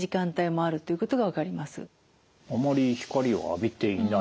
あまり光を浴びていない。